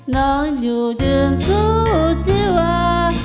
น้องอยู่ที่สู่ชีวา